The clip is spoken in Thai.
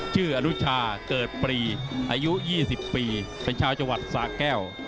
อนุชาเกิดปรีอายุ๒๐ปีเป็นชาวจังหวัดสาแก้ว